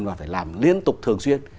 mà phải làm liên tục thường xuyên